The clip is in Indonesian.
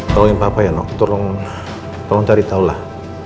tolongin papa ya no tolong cari tahu lah